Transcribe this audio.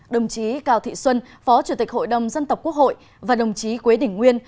đồng chí cao thị xuân phó chủ tịch hội đồng dân tộc quốc hội và đồng chí quế đình nguyên